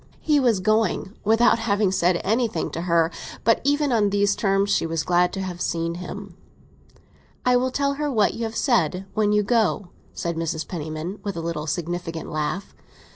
He was going, without having said anything to her; but even on these terms she was glad to have seen him. "I will tell her what you have said—when you go!" said Mrs. Penniman, with an insinuating laugh.